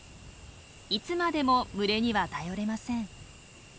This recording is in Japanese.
いつまでも群れには頼れません。